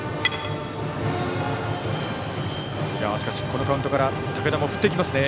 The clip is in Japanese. このカウントから武田も振っていきますね。